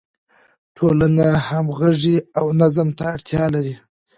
ټولنه همغږي او نظم ته اړتیا لري.